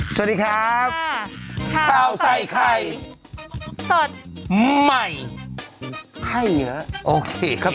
สวัสดีครับข้าวใส่ไข่สดใหม่ให้เยอะโอเคครับ